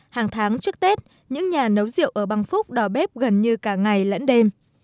hàng tháng trước tết những nhà nấu rượu ở bằng phúc đòi bếp gần như cả ngày lẫn đêm